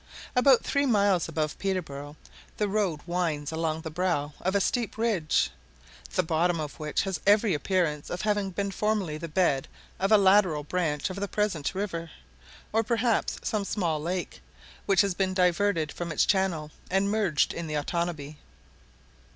About three miles above Peterborough the road winds along the brow of a steep ridge, the bottom of which has every appearance of having been formerly the bed of a lateral branch of the present river, or perhaps some small lake, which has been diverted from its channel, and merged in the Otanabee.